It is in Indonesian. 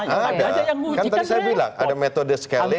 ada kan tadi saya bilang ada metode scaling